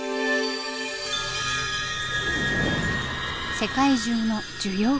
世界中の需要拡大。